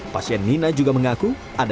pasien nina juga mencari kain yang berbeda